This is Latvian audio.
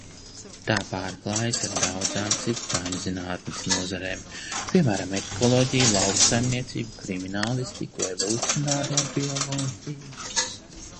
Tā pārklājas ar daudzām citām zinātnes nozarēm, piemēram, ekoloģiju, lauksaimniecību, kriminālistiku, evolucionāro bioloģiju.